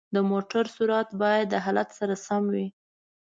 د موټرو سرعت باید د حالت سره سم وي.